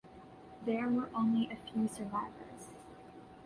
There were only a few survivors.